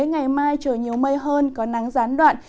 ngày mai trời nhiều mây hơn có nắng gián đoạn